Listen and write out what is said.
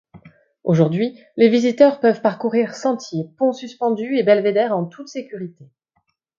Aujourd'hui, les visiteurs peuvent parcourir sentiers, ponts suspendus et belvédères en toute sécurité.